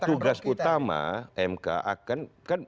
jadi tugas utama mk akan